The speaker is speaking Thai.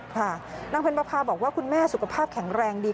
นางเพ็ญประพาบอกว่าคุณแม่สุขภาพแข็งแรงดี